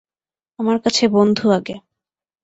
আমার কাছে বন্ধু আগে।